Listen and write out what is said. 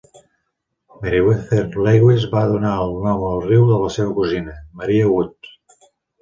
Meriwether Lewis va donar el nom al riu de la seva cosina, Maria Wood.